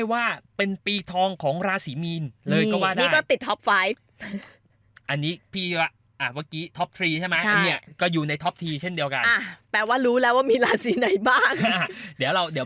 ว่ายนี่จะมีอยู่บ่อยด้วยพูดเลย